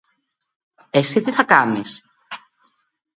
Εσύ τι θα κάνεις;